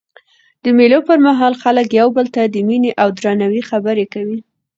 د مېلو پر مهال خلک یو بل ته د میني او درناوي خبري کوي.